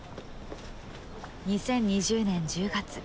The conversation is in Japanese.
２０２０年１０月。